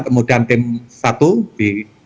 kemudian tim satu di